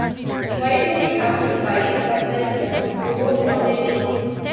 Why do we have to buy a cell phone, you know what I mean?